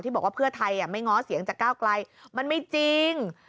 บอกว่าเพื่อไทยไม่ง้อเสียงจากก้าวไกลมันไม่จริง